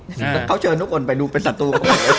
แล้วเขาเชิญทุกคนไปดูเป็นศัตรู